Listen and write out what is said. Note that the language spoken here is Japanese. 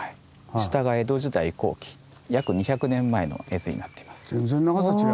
下が江戸時代後期約２００年前の絵図になっています。